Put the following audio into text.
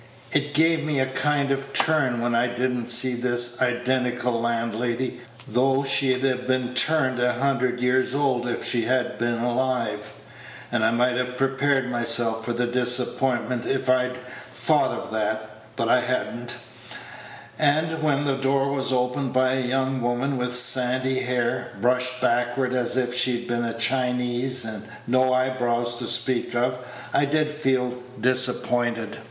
It gave me a kind of a turn when I did n't see this identical landlady, though she'd have been turned a hundred years old if she'd been alive; and I might have prepared myself for the disappointment if I'd thought of that, but I had n't; and when the door was opened by a young woman with sandy hair, brushed backward as if she'd been a Chinese, and no eyebrows to speak of, I did feel disappointed.